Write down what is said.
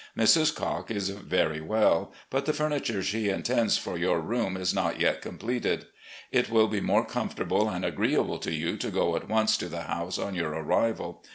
Mrs. Cocke is very well, but the furniture she intends for your room is not yet completed. It will be more comfortable and agreeable to you to go at once to the house on your arrival.